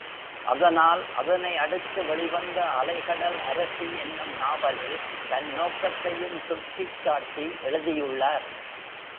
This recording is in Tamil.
அதனால் அதனை அடுத்து வெளிவந்த அலைகடல் அரசி என்னும் நாவலில் தன் நோக்கத்தையும் சுட்டிக்காட்டி எழுதியுள்ளார்.